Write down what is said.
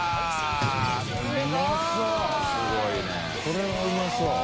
これはうまそう。